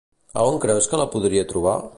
A on creus que la podria trobar?